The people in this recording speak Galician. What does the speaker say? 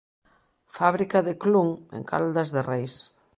Fábrica de Clun en Caldas de Reis.